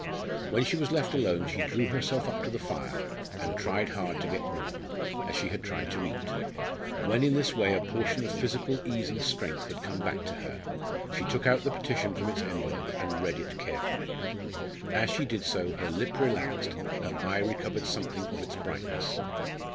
When she was left alone she drew herself up to the fire and tried hard to get warm, as she had tried to eat. When in this way a portion of physical ease and strength had come back to her, she took out the petition from its envelope and read it carefully. As she did so her lip relaxed, her eye recovered something of its brightness.